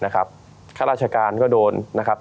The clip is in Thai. ข้าราชการก็โดน